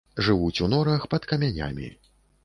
Жывуць у норах, пад камянямі.